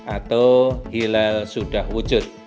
atau hilal sudah wujud